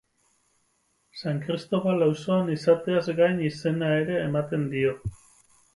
San Kristobal auzoan izateaz gain izena ere ematen dio.